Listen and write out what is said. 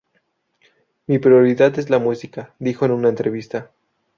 Mi prioridad es la música", dijo en una entrevista.